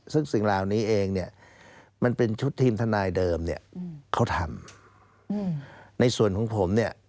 ซึ่งสิ่งเหล่านี้เองมันเป็นชุดทีมทนายเดิมเขาทำ